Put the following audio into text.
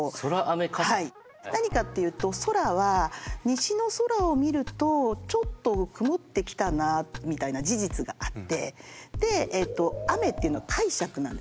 何かっていうと「ソラ」は西の空を見るとちょっと曇ってきたなみたいな事実があってで「アメ」っていうのは解釈なんですね。